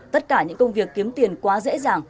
tất cả những công việc kiếm tiền quá dễ dàng